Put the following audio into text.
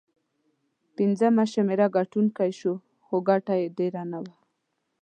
پنځمه شمېره ګټونکی شو، خو ګټه یې ډېره نه وه.